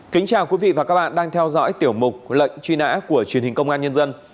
kính chào quý vị và các bạn đang theo dõi tiểu mục lệnh truy nã của truyền hình công an nhân dân